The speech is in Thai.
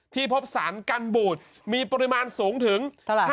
ที่พบสารกันบูดมีปริมาณสูงถึง